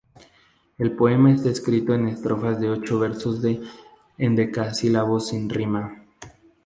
El poema está escrito en estrofas de ocho versos de endecasílabos sin rima.